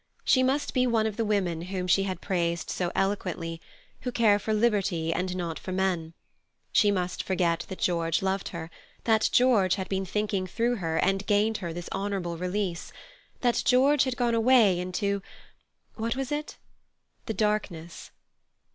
She must be one of the women whom she had praised so eloquently, who care for liberty and not for men; she must forget that George loved her, that George had been thinking through her and gained her this honourable release, that George had gone away into—what was it?—the darkness.